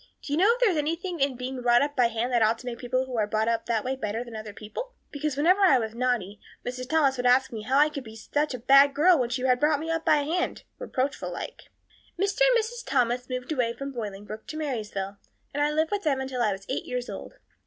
Do you know if there is anything in being brought up by hand that ought to make people who are brought up that way better than other people? Because whenever I was naughty Mrs. Thomas would ask me how I could be such a bad girl when she had brought me up by hand reproachful like. "Mr. and Mrs. Thomas moved away from Bolingbroke to Marysville, and I lived with them until I was eight years old.